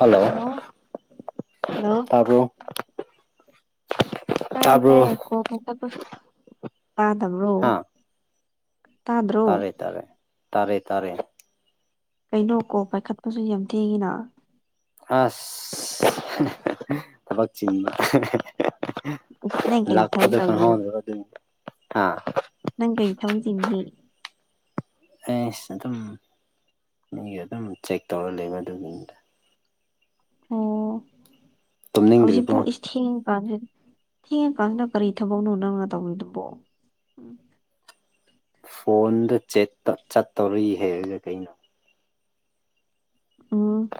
Hello hello ꯇꯥꯕ꯭ꯔꯣ ꯇꯥꯏꯌꯦ ꯇꯥꯕ꯭ꯔꯣ ꯇꯥꯏꯌꯦ ꯀꯣꯜ ꯀꯛꯊꯠꯄꯁꯨ ꯇꯥꯗꯕ꯭ꯔꯣ ꯍꯥ ꯇꯥꯗ꯭ꯔꯣ ꯇꯥꯔꯦ ꯇꯥꯔꯦ ꯇꯥꯔꯦ ꯇꯥꯔꯦ ꯀꯩꯅꯣ ꯀꯣꯜ ꯄꯥꯏꯈꯠꯄꯁꯨ ꯌꯥꯝ ꯊꯦꯡꯉꯤꯅꯥ ꯑꯁ ꯊꯕꯛ ꯆꯤꯟꯕ ꯅꯪ ꯀꯔꯤ ꯊꯕꯛ ꯂꯥꯛꯄꯗ ꯇꯧꯒꯦ ꯈꯪꯍꯧꯗꯕ ꯑꯗꯨꯒꯤ ꯍꯥ ꯅꯪ ꯀꯩ ꯊꯕꯛ ꯆꯤꯟꯒꯦ ꯑꯩꯁ ꯑꯗꯨꯝ ꯃꯤꯒꯤ ꯑꯗꯨꯝ ꯆꯦꯛ ꯇꯧꯔ ꯂꯩꯕ ꯑꯗꯨꯒꯤꯅꯤꯗ ꯑꯣ ꯇꯨꯝꯅꯤꯡꯗ꯭ꯔꯤꯕꯣ ꯍꯧꯖꯤꯛꯄꯨ ꯏꯁ ꯊꯦꯡꯉ ꯀꯥꯟꯖꯤ ꯊꯦꯡꯉꯀꯥꯟꯅ ꯀꯔꯤ ꯊꯕꯛꯅꯣ ꯅꯪꯅ ꯇꯧꯔꯤꯗꯨꯕꯣ ꯎꯝ ꯐꯣꯟꯗ ꯆꯦꯠꯇ ꯆꯠꯇꯧꯔꯤꯑꯦ ꯍꯥꯏꯔꯒ ꯀꯩꯅꯣ ꯑꯝ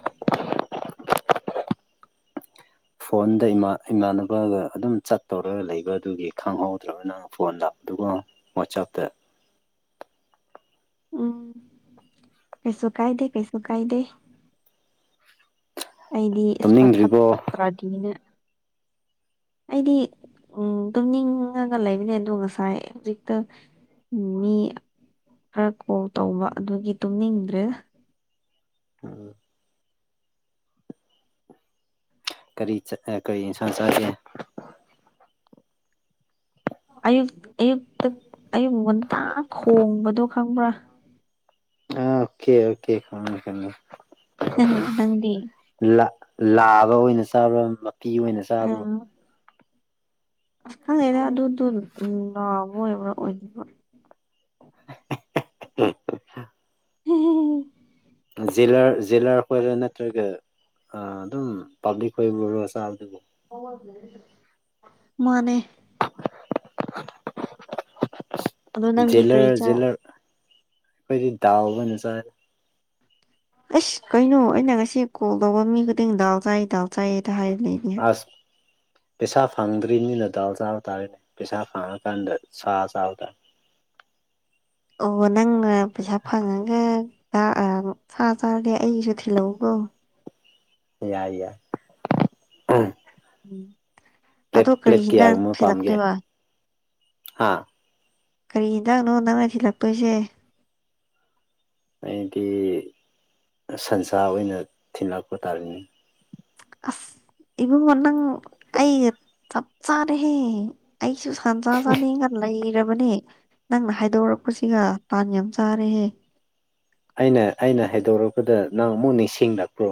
ꯐꯣꯟꯗ ꯏꯃ ꯏꯃꯥꯟꯅꯕꯒ ꯑꯗꯨꯝ ꯆꯠ ꯇꯧꯔꯒ ꯂꯩꯕ ꯑꯗꯨꯒꯤ ꯈꯪꯍꯧꯗ꯭ꯔꯕ ꯅꯪ ꯐꯣꯟ ꯂꯥꯛꯄꯗꯨꯀꯣ ꯋꯥꯆꯞꯇ ꯎꯝ ꯀꯩꯁꯨ ꯀꯥꯏꯗꯦ ꯀꯩꯁꯨ ꯀꯥꯏꯗꯦ ꯑꯩꯗꯤ ꯏꯁ ꯄꯥꯢꯈꯠ ꯇꯨꯝꯅꯤꯡꯗ꯭ꯔꯤꯕꯣ ꯇ꯭ꯔꯗꯤꯅ ꯑꯩꯗꯤ ꯎꯝ ꯇꯨꯝꯅꯤꯡꯉꯒ ꯂꯩꯕꯅꯦ ꯑꯗꯣ ꯉꯁꯥꯏ ꯍꯧꯖꯤꯛꯇ ꯃꯤ ꯈꯔ ꯀꯣꯜ ꯇꯧꯕ ꯑꯗꯨꯒꯤ ꯇꯨꯝꯅꯤꯡꯗ꯭ꯔꯦ ꯎꯝ ꯀꯔꯤ ꯆꯠ ꯑꯥ ꯀꯔꯤ ꯢꯟꯁꯥꯡ ꯆꯥꯒꯦ ꯑꯌꯨꯛ ꯑꯌꯨꯛꯇ ꯑꯌꯨꯛ ꯉꯟꯇꯥ ꯈꯣꯡꯕꯗꯣ ꯈꯪꯕ꯭ꯔꯥ ꯑꯥ ꯑꯣꯀꯦ ꯑꯣꯀꯦ ꯑꯥ ꯀꯩꯅꯣ ꯍꯥ ꯍꯥ ꯅꯪꯗꯤ ꯂꯥ ꯂꯥꯕ ꯑꯣꯏꯅ ꯆꯥꯕ꯭ꯔ ꯃꯄꯤ ꯑꯣꯏꯅ ꯆꯥꯕ꯭ꯔꯣ [unintelligible] ꯈꯪꯗꯦꯗ ꯗꯨꯗꯨ ꯎꯝ ꯅꯥꯕ ꯑꯣꯏꯕ꯭ꯔꯥ ꯑꯣꯏꯗꯕ [unintelligible] [unintelligible] ꯖꯤꯂꯔ ꯖꯦꯂꯔ ꯈꯣꯏꯔ ꯅꯠꯇ꯭ꯔꯒ ꯑꯥ ꯗꯨꯝ ꯄꯥꯕ꯭ꯂꯤꯛ ꯍꯣꯏꯕꯨꯔꯣ ꯆꯥꯕꯗꯨꯕꯨ ꯃꯥꯅꯦ ꯑꯗꯣ ꯅꯪꯗꯤ ꯀꯔꯤ ꯖꯦꯂꯔ ꯆꯥ ꯖꯦꯂꯔ ꯈꯣꯏꯗꯤ ꯗꯥꯜ ꯑꯣꯏꯅ ꯆꯥꯢ ꯑꯩꯁ ꯀꯩꯅꯣ ꯑꯩꯅ ꯉꯁꯤ ꯀꯣꯜ ꯇꯧꯕ ꯃꯤ ꯈꯨꯗꯤꯡ ꯗꯥꯜ ꯆꯥꯏ ꯗꯥꯜ ꯆꯥꯏ ꯉꯥꯛꯇ ꯍꯥꯏꯔ ꯂꯩꯅꯤ [unintelligible] ꯄꯩꯁꯥ ꯐꯪꯗ꯭ꯔꯤꯝꯅꯤꯅ ꯗꯥꯜ ꯆꯥꯕ ꯇꯥꯔꯦꯅꯦ ꯄꯩꯁꯥ ꯐꯪꯉꯀꯥꯟꯗ ꯁꯥ ꯆꯥꯕ ꯇꯥ ꯑꯣ ꯅꯪꯅ ꯄꯩꯁꯥ ꯐꯪꯉꯒ ꯑꯥ ꯑꯝ ꯁꯥ ꯆꯥꯔꯗꯤ ꯑꯩꯒꯤꯁꯨ ꯊꯤꯜꯂꯛꯎꯀꯣ ꯌꯥꯏ ꯌꯥꯏ ꯎꯝ ꯄ꯭ꯂꯦꯠ ꯑꯗꯣ ꯀꯔꯤ ꯄ꯭ꯂꯦꯠ ꯀꯌꯥ ꯍꯤꯟꯖꯥꯡ ꯒꯨꯝꯕ ꯄꯥꯝꯒꯦ ꯊꯤꯜꯂꯛꯇꯣꯏꯕ ꯍꯥ ꯀꯔꯤ ꯍꯤꯟꯗꯥꯛꯅꯣ ꯅꯪꯅ ꯊꯤꯜꯂꯛꯇꯣꯏꯁꯦ ꯑꯩꯗꯤ ꯁꯟꯁꯥ ꯑꯣꯏꯅ ꯊꯤꯂꯛꯄ ꯇꯥꯔꯦꯅꯦ ꯑꯁ ꯏꯕꯨꯡꯉꯣ ꯅꯪ ꯑꯩ ꯆꯞ ꯆꯥꯔꯦꯍꯦ ꯑꯩꯁꯨ ꯁꯟꯁꯥ ꯆꯥꯅꯤꯡꯉ ꯂꯩꯔꯕꯅꯦ ꯅꯪꯅ ꯍꯥꯏꯗꯣꯔꯛꯄꯁꯤꯒ ꯇꯥꯟ ꯌꯥꯝ ꯆꯥꯔꯦꯍꯦ ꯑꯩꯅ ꯑꯩꯅ ꯍꯥꯏꯗꯣꯔꯛꯄꯗ ꯅꯪ ꯃꯨꯛ ꯅꯤꯡꯁꯤꯡꯂꯛꯄ꯭ꯔꯣ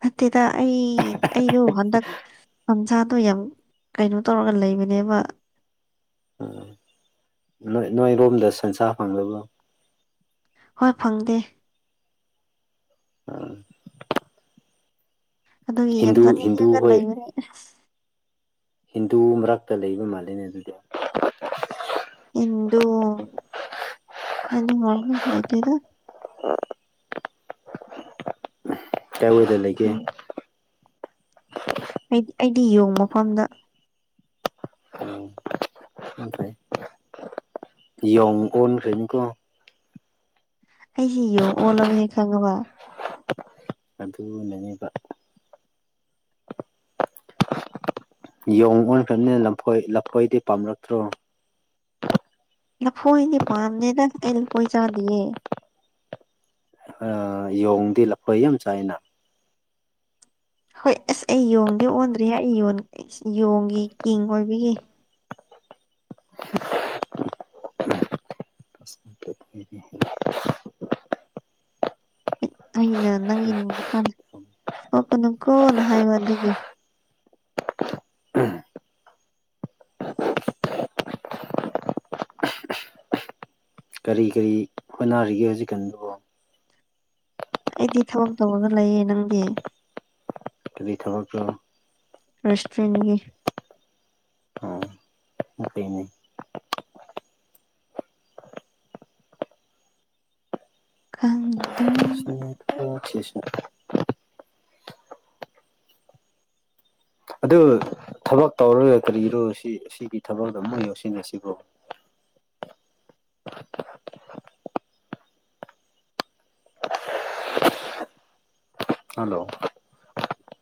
ꯅꯠꯇꯦꯗ ꯑꯩ ꯑꯩꯗꯣ ꯍꯟꯗꯛ ꯁꯟꯁꯥꯗꯣ ꯌꯥꯝ ꯀꯩꯅꯣ ꯇꯧꯔꯒ ꯂꯩꯕꯅꯦꯕ ꯎꯝ ꯅꯣꯏ ꯅꯣꯏꯔꯣꯝꯗ ꯁꯟꯁꯥ ꯐꯪꯗꯕ꯭ꯔꯣ ꯍꯣꯏ ꯐꯪꯗꯦ ꯑꯥ ꯑꯗꯨꯒꯤ ꯌꯥꯝ ꯍꯤꯟꯗꯨ ꯍꯤꯟꯗꯨ ꯆꯥꯅꯤꯡꯉꯒ ꯍꯣꯏ ꯂꯩꯕꯅꯦ ꯍꯤꯟꯗꯨ ꯃꯔꯛꯇ ꯂꯩꯕ ꯃꯥꯜꯂꯦꯅꯦ ꯑꯗꯨꯗꯤ ꯍꯤꯟꯗꯨ [unintelligible] [inaudible] ꯀꯥꯢ ꯋꯥꯢꯗ ꯂꯩꯒꯦ ꯎꯝ ꯑꯩ ꯑꯩꯗꯤ ꯌꯣꯡ ꯃꯐꯝꯗ ꯎꯝ ꯍꯨꯝ ꯇꯩ ꯌꯣꯡ ꯑꯣꯟꯈ꯭ꯔꯅꯤꯀꯣ ꯑꯩꯁꯤ ꯌꯣꯡ ꯑꯣꯜꯂꯕꯅꯤ ꯈꯪꯉꯕ ꯄꯟꯊꯨꯡ [unintelligible] ꯌꯣꯡ ꯑꯣꯏꯈ꯭ꯔꯕꯅꯤꯅ ꯂꯐꯣꯏ ꯂꯐꯣꯏꯗꯤ ꯄꯥꯝꯂꯛꯇ꯭ꯔꯣ ꯂꯐꯣꯏꯗꯤ ꯄꯥꯝꯗꯦꯗ ꯑꯩ ꯂꯐꯣꯏ ꯆꯥꯗꯤꯌꯦ ꯑ ꯌꯣꯡꯗꯤ ꯂꯐꯣꯏ ꯌꯥꯝ ꯆꯥꯏꯅ ꯍꯣꯏ ꯑꯁ ꯑꯩ ꯌꯣꯡꯗꯤ ꯑꯣꯟꯗ꯭ꯔꯤꯍꯦ ꯑꯩ ꯌꯣꯡꯒꯤ ꯀꯤꯡ ꯑꯣꯏꯕꯒꯤ [inaudible] ꯑꯩꯅ ꯅꯪꯒꯤ [unintelligible] ꯀꯞꯀꯅꯨꯀꯣ ꯍꯥꯏꯕ ꯑꯗꯨꯒꯤ ꯀꯔꯤ ꯀꯔꯤ ꯍꯣꯠꯅꯔꯤꯒꯦ ꯍꯧꯖꯤꯛꯀꯥꯟꯗꯣ ꯑꯩꯗꯤ ꯊꯕꯛ ꯇꯧꯔꯒ ꯂꯩꯌꯦ ꯅꯪꯗꯤ ꯀꯔꯤ ꯊꯕꯛꯅꯣ ꯔꯦꯁꯇꯣꯔꯦꯟꯒꯤ ꯎꯏꯅꯦ ꯈꯪꯗꯦ ꯎꯝ [unintelligible] ꯑꯗꯨ ꯊꯕꯛ ꯇꯧꯔꯒ ꯀꯔꯤꯔꯣ ꯁꯤ ꯁꯤ ꯊꯕꯛꯇꯣ ꯑꯃꯨꯛ ꯌꯥꯎꯁꯤꯟꯅꯁꯤꯕꯣ ꯍꯜꯂꯣ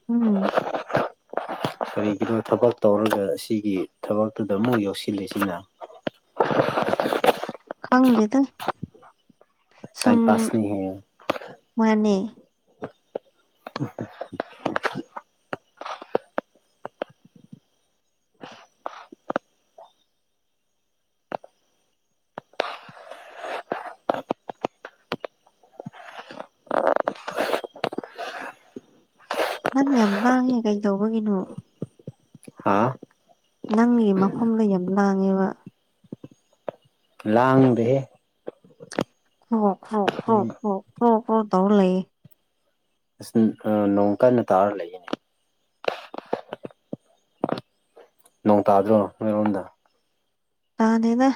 ꯎꯝ ꯀꯔꯤꯒꯤꯅꯣ ꯊꯕꯛ ꯇꯧꯔꯒ ꯁꯤꯒꯤ ꯊꯕꯛꯇꯨꯗ ꯑꯃꯨꯛ ꯌꯥꯎꯁꯤꯜꯂꯤꯁꯤꯅ ꯈꯪꯗꯦꯗ ꯇꯥꯏꯝ ꯁꯨꯝ ꯄꯥꯁꯅꯤꯍꯦ ꯃꯥꯅꯦ ꯅꯪ ꯌꯥꯝ ꯂꯥꯡꯉꯦ ꯀꯩ ꯇꯧꯕꯒꯤꯅꯣ ꯍꯥꯥ ꯅꯪꯒꯤ ꯃꯐꯝꯗꯣ ꯌꯥꯝ ꯂꯥꯡꯉꯦꯕ ꯂꯥꯡꯗꯦꯍꯦ ꯀ꯭ꯔꯣ ꯀ꯭ꯔꯣ ꯀ꯭ꯔꯣ ꯎꯝ ꯀ꯭ꯔꯣ ꯀ꯭ꯔꯣ ꯀ꯭ꯔꯣ ꯇꯧ ꯂꯩꯌꯦ ꯑꯁ ꯎꯝ ꯅꯣꯡ ꯀꯟꯅ ꯇꯥꯔ ꯂꯩꯌꯦ ꯅꯣꯡ ꯇꯥꯗ꯭ꯔꯣ ꯅꯣꯏꯔꯣꯝꯗ ꯇꯥꯗꯦꯗ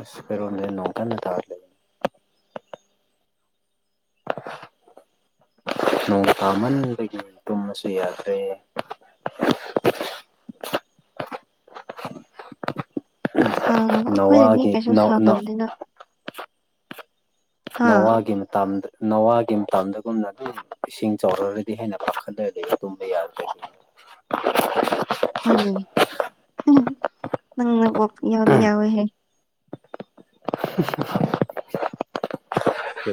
ꯑꯁ ꯑꯩꯈꯣꯏ ꯔꯣꯝꯗꯗꯤ ꯅꯣꯡ ꯀꯟꯅ ꯇꯥꯗꯦ ꯅꯣꯡ ꯇꯥꯃꯟꯕꯒꯤ ꯇꯨꯝꯕꯁꯨ ꯌꯥꯗ꯭ꯔꯦ ꯁꯥꯕ ꯑꯩꯈꯣꯏꯗꯗꯤ ꯅꯋꯥꯒꯤ ꯀꯩꯁꯨ ꯅꯧ ꯅꯧ ꯁꯥꯎꯗꯝꯅꯤꯅ ꯍꯥ ꯅꯋꯥꯒꯤ ꯃꯇꯝꯗ ꯅꯋꯥꯒꯤ ꯃꯇꯝꯗꯒꯨꯝꯅ ꯑꯗꯨꯝ ꯏꯁꯤꯡ ꯆꯥꯎꯔꯛ ꯑꯒꯥꯗꯤ ꯍꯦꯟꯅ ꯄꯥꯈꯠꯂꯒꯥ ꯂꯩꯌꯦ ꯇꯨꯝꯕ ꯌꯥꯗꯦ [inaudible] ꯍꯣꯏꯅꯦ ꯅꯪꯅ ꯑꯣ ꯌꯥꯎꯗꯤ ꯌꯥꯎꯋꯦꯍꯦ [inaudible]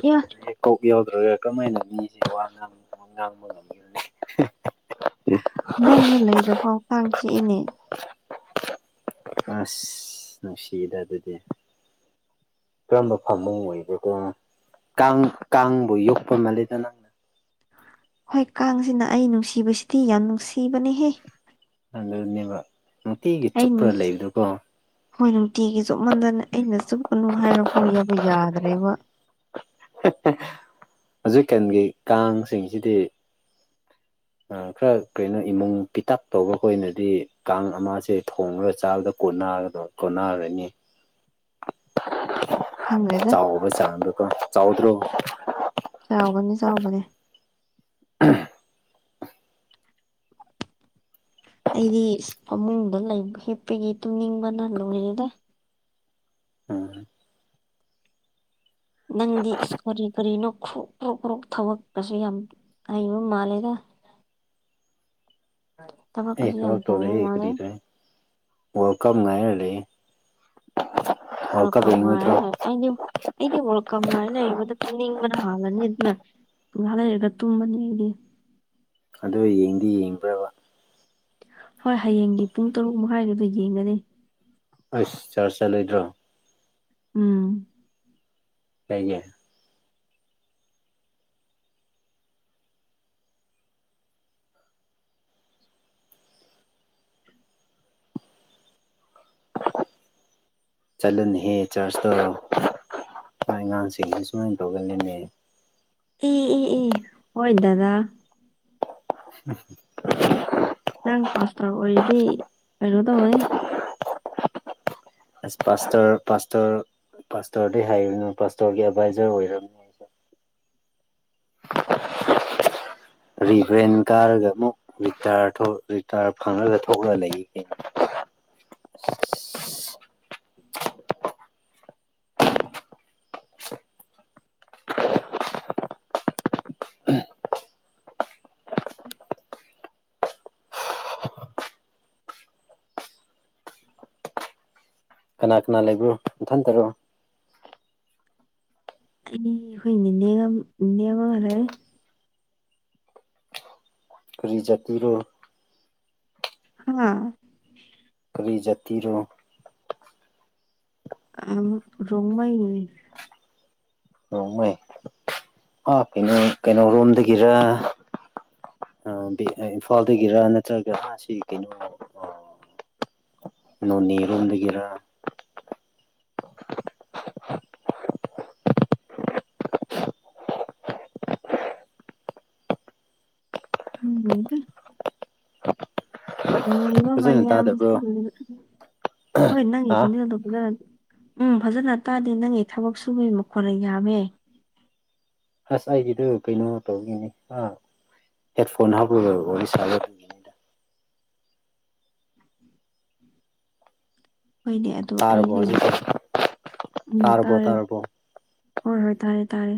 ꯏꯃꯥ ꯀꯣꯛ ꯌꯥꯎꯗ꯭ꯔꯒ ꯀꯃꯥꯏꯅ ꯃꯤꯁꯦ ꯋꯥ ꯉꯥꯡ ꯉꯥꯡꯕ ꯉꯝꯒꯦꯔꯥꯅꯦ ꯐꯃꯨꯡꯗꯥ ꯂꯩꯔꯐꯥꯎ ꯀꯥꯡ ꯆꯤꯛꯏꯅꯦ ꯑꯁ ꯅꯨꯡꯁꯤꯗ ꯑꯗꯨꯗꯤ ꯀꯔꯝꯕ ꯐꯃꯨꯡ ꯑꯣꯏꯕ꯭ꯔꯀꯣ ꯀꯥꯡ ꯀꯥꯡꯕꯨ ꯌꯣꯛꯄꯥ ꯃꯜꯂꯦꯗꯥ ꯅꯪ ꯍꯣꯏ ꯀꯥꯡꯁꯤꯅ ꯑꯩ ꯅꯨꯡꯁꯤꯕꯁꯤꯗꯤ ꯌꯥꯝ ꯅꯨꯡꯁꯤꯕꯅꯦꯍꯦ ꯑꯗꯨꯅꯦꯕ ꯅꯨꯡꯇꯤꯒꯤ ꯑꯩ ꯆꯨꯞꯄ꯭ꯔꯥ ꯅꯨꯡꯁꯤ ꯂꯩꯕꯗꯨꯀꯣ ꯍꯣꯏ ꯅꯨꯡꯇꯤꯒꯤ ꯆꯨꯞꯃꯟꯗꯅ ꯑꯩꯅ ꯆꯨꯞꯀꯅꯨ ꯍꯥꯏꯔ ꯐꯥꯎ ꯌꯥꯕ ꯌꯥꯗ꯭ꯔꯦꯕ ꯍꯧꯖꯤꯛꯀꯥꯟꯒꯤ ꯀꯥꯡꯁꯤꯡꯁꯤꯗꯤ ꯈꯔ ꯀꯩꯅꯣ ꯏꯃꯨꯡ ꯄꯤꯇꯥꯛ ꯇꯧꯕ ꯈꯣꯏꯅꯗꯤ ꯀꯥꯡ ꯑꯃꯁꯦ ꯊꯣꯡꯔꯥꯒ ꯆꯥꯕꯗ ꯀꯣꯟꯅꯥꯒꯗꯝ ꯀꯣꯟꯅꯔꯅꯤ ꯈꯪꯗ꯭ꯔꯦꯗ ꯆꯥꯎꯕ ꯆꯥꯡꯗꯣ ꯀꯣ ꯆꯥꯎꯗ꯭ꯔꯣ ꯆꯥꯎꯕꯅꯦ ꯆꯥꯎꯕꯅꯦ ꯑꯩꯗꯤ ꯐꯃꯨꯡꯗ ꯂꯩ ꯍꯤꯞꯄꯒꯤ ꯇꯨꯡꯅꯤꯡꯕꯅ ꯂꯣꯏꯔꯦꯗ ꯎꯝ ꯅꯪꯗꯤ ꯀꯔꯤ ꯀꯔꯤꯅꯣ ꯈ꯭ꯔꯣꯛ ꯀ꯭ꯔꯣꯛ ꯀ꯭ꯔꯣꯛ ꯊꯕꯛꯀꯁꯦ ꯌꯥꯝ ꯍꯩꯕ ꯃꯥꯜꯂꯦꯗ ꯑꯦ ꯊꯕꯛꯀꯁꯨ ꯌꯥꯝ ꯊꯕꯛ ꯇꯧꯕ ꯇꯧꯗꯦꯍꯦ ꯃꯥꯜꯂꯦ ꯀ꯭ꯔꯤꯔꯍꯦ ꯋꯥꯜꯀꯞ ꯉꯥꯏꯔ ꯂꯩ ꯋꯥꯜꯀꯞ ꯉꯥꯏꯔ ꯌꯦꯡꯉꯣꯏꯗ꯭ꯔꯣ ꯂꯩ ꯑꯩꯗꯤ ꯑꯩꯗꯤ ꯋꯥꯜꯀꯞ ꯉꯥꯏꯔ ꯂꯩꯕꯗ ꯇꯨꯡꯅꯤꯡꯕꯅ ꯍꯥꯜꯂꯅꯤ ꯑꯗꯨꯅ ꯉꯍꯥꯛ ꯂꯩꯔꯒ ꯇꯨꯝꯃꯅꯤ ꯑꯩꯗꯤ ꯑꯗꯣ ꯌꯦꯡꯗꯤ ꯌꯦꯡꯕ꯭ꯔꯕ ꯍꯣꯏ ꯍꯌꯦꯡꯒꯤ ꯄꯨꯡ ꯇꯔꯨꯛ ꯃꯈꯥꯏꯗꯨꯗ ꯌꯦꯡꯒꯅꯤ ꯑꯁ ꯆꯥꯔꯆ ꯆꯠꯂꯣꯏꯗ꯭ꯔꯣ ꯎꯝ ꯀꯩꯒꯤ ꯆꯠꯂꯅꯤꯍꯦ ꯆꯥꯔꯆꯇꯣ ꯅꯣꯏ ꯑꯉꯥꯡꯁꯤꯡꯗꯤ ꯁꯨꯃꯥꯏꯅ ꯇꯧꯒꯜꯂꯦꯅꯦ ꯑꯦ ꯑꯦ ꯑꯦ ꯍꯣꯏ ꯗꯗꯥ [inaudible] ꯅꯪ ꯄꯥꯁꯇꯔ ꯑꯣꯏꯔꯗꯤ ꯀꯩꯅꯣ ꯇꯧ ꯍꯦ ꯑꯁ ꯄꯥꯁꯇꯔ ꯄꯥꯁꯇꯔ ꯄꯥꯁꯇꯔꯗꯤ ꯍꯥꯏꯔꯨꯅꯨ ꯄꯥꯁꯇꯔꯒꯤ ꯑꯦꯗꯚꯥꯏꯖꯔ ꯑꯣꯏꯔꯝꯅꯤ ꯔꯤꯚ꯭ꯔꯦꯟ ꯀꯥꯔꯒ ꯑꯃꯨꯛ ꯔꯤꯇꯥ꯭ꯏꯔ ꯊꯣꯛ ꯔꯤꯇꯥ꯭ꯏꯔ ꯐꯪꯉꯒ ꯊꯣꯛꯂ ꯂꯩꯌꯦ ꯀꯩꯅꯣ [inaudible] ꯀꯅꯥ ꯀꯅꯥ ꯂꯩꯕ꯭ꯔꯣ ꯅꯊꯟꯇꯔꯣ ꯑꯩꯅꯦ ꯑꯩꯈꯣꯏ ꯅꯤꯅꯦꯒ ꯅꯤꯅꯦ ꯑꯃꯒ ꯂꯩ ꯀꯔꯤ ꯖꯥꯇꯤꯔꯣ ꯍꯥꯥ ꯀꯔꯤ ꯖꯥꯇꯤꯔꯣ ꯑꯥ ꯔꯣꯡꯃꯩꯅꯦ ꯔꯣꯡꯃꯩ ꯑꯥ ꯀꯩꯅꯣ ꯀꯩꯅꯣ ꯔꯣꯝꯗꯒꯤꯔ ꯑꯥ ꯏꯝꯐꯥꯜꯗꯒꯤꯔ ꯅꯠꯇ꯭ꯔꯒ ꯁꯤ ꯀꯩꯅꯣ ꯑꯥ ꯅꯣꯅꯦ ꯔꯣꯝꯗꯒꯤꯔ ꯈꯪꯗꯦꯗ ꯇꯧꯔꯤꯕ ꯐꯖꯅ ꯃꯌꯥꯝ ꯇꯥꯗꯕ꯭ꯔꯣ ꯍꯣꯏ ꯅꯪꯒꯤ ꯍꯥ ꯈꯣꯟꯖꯦꯜꯗꯣ ꯐꯖꯅ ꯎꯝ ꯐꯖꯅ ꯇꯥꯗꯦ ꯅꯪꯒꯤ ꯊꯕꯛ ꯁꯨꯕꯩ ꯃꯈꯣꯜꯅ ꯌꯥꯝꯃꯦ ꯑꯁ ꯑꯩꯒꯤꯗꯨ ꯀꯩꯅꯣ ꯇꯧꯕꯒꯤꯅꯦ ꯑꯥ ꯍꯦꯠꯐꯣꯟ ꯍꯥꯞꯔꯒ ꯋꯥꯔꯤ ꯁꯥ [inaudible] ꯍꯣꯏꯅꯦ ꯑꯗꯣ ꯇꯥꯔꯕꯣ ꯑꯩꯖꯦꯅ ꯍꯧꯖꯤꯛꯇꯤ ꯎꯝ ꯇꯥꯔꯕꯣ ꯇꯥꯔꯦ ꯇꯥꯔꯕꯣ ꯍꯣꯏ ꯍꯣꯏ ꯇꯥꯔꯦ ꯇꯥꯔꯦ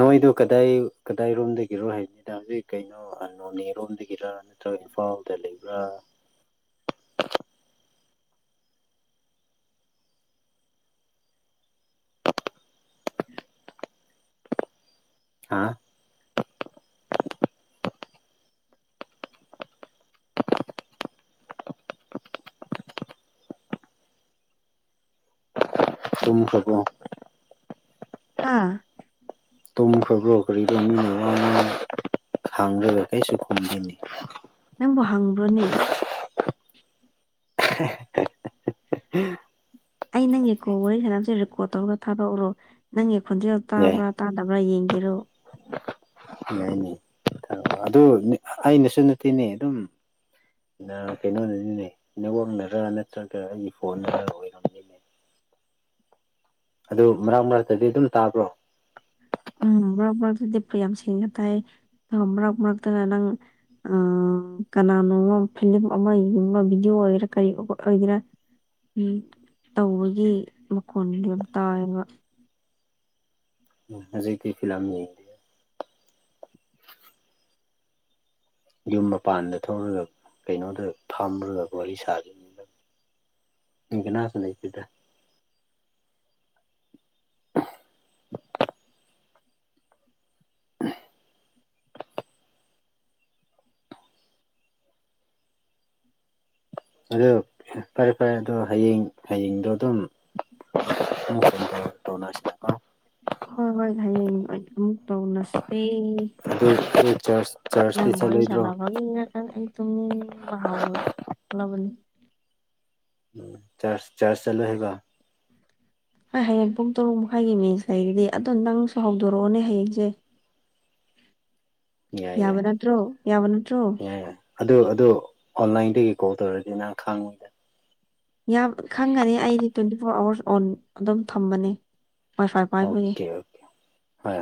ꯅꯣꯏꯗꯣ ꯀꯗꯥꯏ ꯀꯗꯥꯏꯔꯣꯝꯗꯒꯤꯔꯣ ꯍꯥꯏꯕꯅꯤꯗ ꯍꯧꯖꯤꯛ ꯀꯩꯅꯣ ꯅꯣꯅꯦꯔꯣꯝꯗꯒꯤꯔ ꯅꯠꯇ꯭ꯔꯒ ꯏꯝꯐꯥꯜꯗ ꯂꯩꯕ꯭ꯔꯥ ꯑꯥ ꯇꯨꯝꯈ꯭ꯔꯕꯣ ꯍꯥꯥ ꯇꯨꯝꯈ꯭ꯔꯕ꯭ꯔꯣ ꯀꯔꯤꯔꯣ ꯃꯤꯅ ꯋꯥ ꯉꯥꯡꯔꯒ ꯍꯪꯔꯒ ꯀꯩꯁꯨ ꯈꯨꯝꯗꯦꯅꯦ ꯅꯪꯕꯨ ꯍꯪꯕ꯭ꯔꯣꯅꯦ [unintelligible] ꯑꯩ ꯅꯪꯒꯤ ꯀꯣꯜ ꯋꯥꯔꯤ ꯁꯅꯕꯁꯦ ꯔꯦꯀꯣꯔꯠ ꯇꯧꯔꯒ ꯊꯥꯔꯛꯎꯔꯣ ꯅꯪꯒꯤ ꯈꯣꯟꯖꯦꯜ ꯌꯥꯏ ꯇꯥꯕ꯭ꯔꯥ ꯇꯥꯗꯕ꯭ꯔꯥ ꯌꯦꯡꯒꯦꯔꯣ ꯌꯥꯏꯅꯦ ꯑꯥ ꯑꯗꯨ ꯑꯩꯅꯁꯨ ꯅꯠꯇꯦꯅꯦ ꯑꯗꯨꯝ ꯅꯥ ꯀꯩꯅꯣꯅꯅꯤꯅꯦ ꯅꯦꯠꯋꯥꯛꯅꯔ ꯅꯠꯇ꯭ꯔꯥꯒ ꯑꯩꯒꯤ ꯐꯣꯟꯅꯔ ꯑꯣꯏ ꯑꯗꯨ ꯃꯔꯛ ꯃꯔꯛꯇꯗꯤ ꯑꯗꯨꯝ ꯇꯥꯕ꯭ꯔꯣ ꯎꯝ ꯃꯔꯛ ꯃꯔꯛꯇꯗꯤ ꯌꯥꯝ ꯁꯦꯡꯅ ꯇꯥꯏ ꯃꯔꯛ ꯃꯔꯛꯇꯅ ꯅꯪ ꯑꯥ ꯀꯅꯥꯅꯣꯝꯃ ꯐꯤꯂꯝ ꯑꯃ ꯌꯦꯕ ꯚꯤꯗꯤꯑꯣ ꯑꯣꯏꯒꯦꯔ ꯀꯔꯤ ꯑꯣꯏꯒꯦꯔ ꯎꯝ ꯇꯧꯕꯒꯤ ꯃꯈꯣꯟꯗꯨ ꯌꯥꯝ ꯇꯥꯢꯌꯦꯕ ꯍꯧꯖꯤꯛꯇꯤ ꯐꯤꯂꯝ ꯌꯦꯡ ꯌꯨꯝ ꯃꯄꯥꯟꯗ ꯊꯣꯛꯔꯒ ꯀꯩꯅꯣꯗ ꯐꯝꯃꯒ ꯋꯥꯔꯤ ꯁꯥꯔꯤ ꯃꯤ ꯀꯅꯥꯁꯨ ꯂꯩꯇꯦꯗ ꯑꯗꯨ ꯐꯔꯦ ꯐꯔꯦ ꯑꯗꯨ ꯍꯌꯦꯡ ꯍꯌꯦꯡꯗꯣ ꯑꯗꯨꯝ [unintelligible] ꯍꯣꯏ ꯍꯣꯏ ꯍꯌꯦꯡ ꯑꯃꯨꯛ ꯇꯧꯅꯁꯦ ꯑꯗꯨ ꯗꯨ ꯆꯔꯆ ꯆꯔꯆꯇꯤ ꯆꯠꯂꯣꯏꯗ꯭ꯔꯣ [unintelligible] ꯅꯩ ꯑꯩ ꯇꯨꯝꯅꯤꯡꯕ ꯍꯧꯔꯛꯂꯕꯅꯤ ꯆ꯭ꯔꯁ ꯆ꯭ꯔꯁ ꯆꯠꯂꯣꯏ ꯍꯥꯏꯕ ꯑꯩ ꯍꯌꯦꯡ ꯄꯨꯡ ꯇꯔꯨꯛ ꯃꯈꯥꯏꯒꯤ ꯃꯦꯁ ꯂꯩꯔꯤꯗꯤ ꯑꯗꯣ ꯅꯪꯁꯨ ꯍꯧꯗꯣꯔꯛꯑꯣꯅꯦ ꯍꯌꯦꯡꯁꯦ ꯌꯥꯏ ꯌꯥꯕ ꯌꯥꯏ ꯅꯠꯇꯔꯣ ꯌꯥꯕ ꯅꯠꯇ꯭ꯔꯣ ꯌꯥꯏ ꯌꯥꯏ ꯑꯗꯨ ꯑꯗꯨ ꯑꯣꯟꯂꯥꯏꯟꯗꯒꯤ ꯀꯣꯜ ꯇꯧꯔꯗꯤ ꯅꯪ ꯈꯪꯉꯣꯏ꯫ ꯌꯥꯝ ꯈꯪꯒꯅꯤ ꯑꯩꯗꯤ ꯇ꯭ꯋꯦꯟꯇꯤ ꯐꯣꯔ ꯑꯋꯥꯔꯁ ꯑꯣꯟ ꯑꯗꯨꯝ ꯊꯝꯕꯅꯦ꯫ ꯋꯥꯏ ꯐꯥꯏ ꯄꯥꯏꯕꯒꯤ ꯑꯣꯀꯦ ꯑꯣꯀꯦ ꯍꯣꯢ ꯍꯣꯢ꯫